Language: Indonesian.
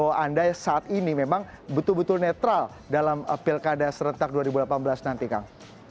bagaimana menjamin bahwa aparatur sipil di bawah anda saat ini memang betul betul netral dalam pilkada serentak dua ribu delapan belas nanti kang